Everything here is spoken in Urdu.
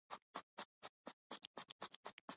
یہ وقت لیکن عمل کا ہے۔